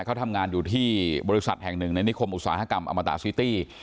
เขาทำงานอยู่ที่บริษัทแห่งหนึ่งในนิคมอุตสาหกรรมอมตาซิตี้